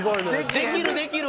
できるできる。